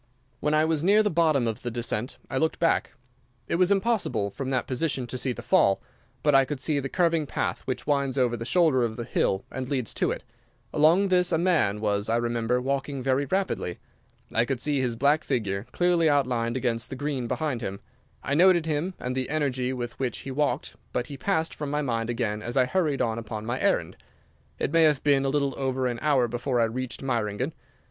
When I was near the bottom of the descent I looked back. It was impossible, from that position, to see the fall, but I could see the curving path which winds over the shoulder of the hill and leads to it. Along this a man was, I remember, walking very rapidly. I could see his black figure clearly outlined against the green behind him. I noted him, and the energy with which he walked but he passed from my mind again as I hurried on upon my errand. It may have been a little over an hour before I reached Meiringen.